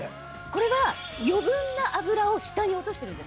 これが余分な油を下に落としてるんです。